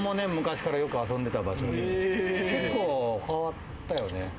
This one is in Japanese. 結構変わったよね。